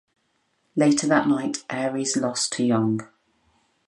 Later that night, Aries lost to Young.